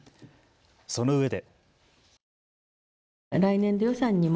そのうえで。